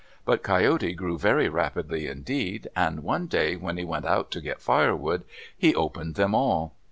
But Coyote grew very rapidly indeed, and one day when they went out to get firewood, he opened them all.